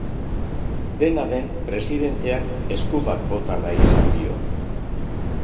Dena den, presidenteak esku bat bota nahi izan dio.